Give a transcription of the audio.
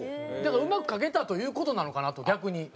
だからうまく描けたという事なのかなと逆に。